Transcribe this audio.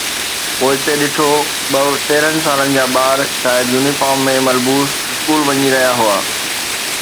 پوئتي ڏٺو، ٻه تيرهن سالن جا ٻار شايد يونيفارم ۾ ملبوس اسڪول وڃي رهيا هئا.